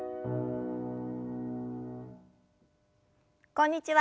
こんにちは